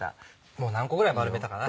もう何個ぐらい丸めたかな？